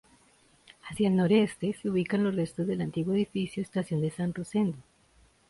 Hacia el noroeste, se ubican los restos del antiguo edificio estación de San Rosendo.